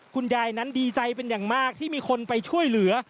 คุณยายนั้นดีใจเป็นอย่างมากที่มีคนไปช่วยเหลือ